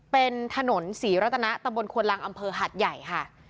เป็นถนนศรีรัตนะตำบลควนลังอำเภอหัดใหญ่ค่ะ